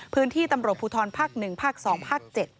พื้นที่ตำรวจภูทรภาค๑ภาค๒ภาค๗